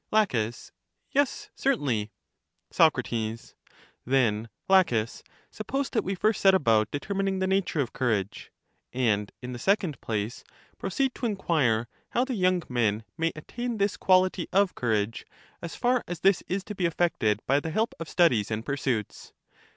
La, Yes, certainly. Soc, Then, Laches, suppose that we first set about determining the nature of courage, and in the second place proceed to inquire how the young men may at tain this quality of courage, as far as this is to be effected by the help of studies and pursuits.